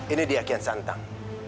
ini dia kian santang